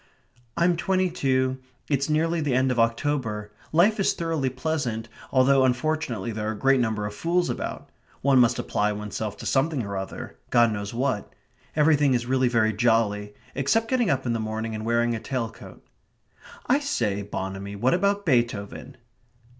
("I'm twenty two. It's nearly the end of October. Life is thoroughly pleasant, although unfortunately there are a great number of fools about. One must apply oneself to something or other God knows what. Everything is really very jolly except getting up in the morning and wearing a tail coat.") "I say, Bonamy, what about Beethoven?"